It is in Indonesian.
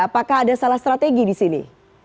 apakah ada salah strategi di sini